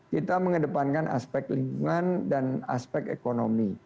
kita mengedepankan aspek lingkungan dan aspek ekonomi